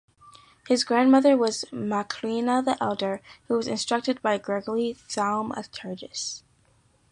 His grandmother was Macrina the Elder, who was instructed by Gregory Thaumaturgus.